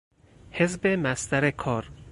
حزب مصدر کار